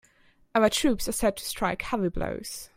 Our troops are set to strike heavy blows.